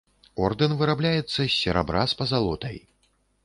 Ордэн вырабляецца з серабра з пазалотай.